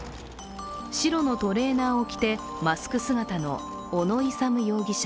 白のトレーナーを着てマスク姿の小野勇容疑者。